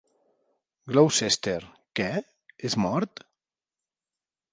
"Gloucester": Què, és mort?